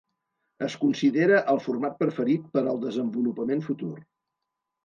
Es considera el format preferit per al desenvolupament futur.